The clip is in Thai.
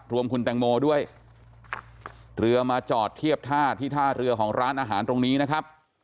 รวมคุณแตงโมด้วยเรือมาจอดเทียบท่าที่ท่าเรือของร้านอาหารตรงนี้นะครับ